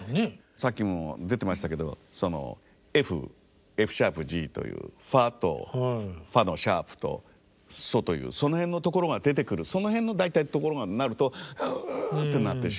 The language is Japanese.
さっきも出てましたけどＦ・Ｆ＃・Ｇというファとファのシャープとソというその辺のところが出てくるその辺の大体ところがなるとはあぁってなってしまうっていう。